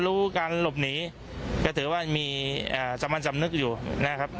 รู้การหลบหนีก็ถือว่ามีสมัญสำนึกอยู่นะครับ